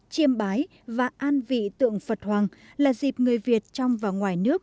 chiêm bái và an vị tượng phật hoàng là dịp người việt trong và ngoài nước